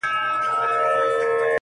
مقدار او قسمت ېې بدل دی